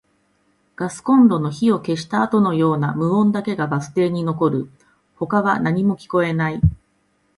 ガスコンロの火を消したあとのような無音だけがバス停に残る。他は何も聞こえない。